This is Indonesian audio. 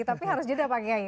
tapi harus jodoh pak giyai